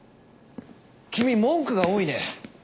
君文句が多いね。